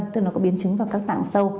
tức là có biến chứng vào các tạng sâu